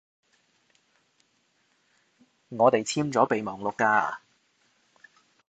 我哋簽咗備忘錄㗎